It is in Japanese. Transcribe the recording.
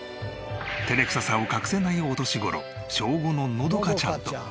照れくささを隠せないお年頃小５ののどかちゃん。